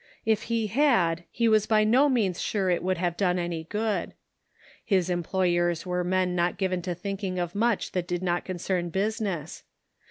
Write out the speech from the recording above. If he had, he was by no means sure it would have done any good. His employers were men not given to thinking of much that did not concern business.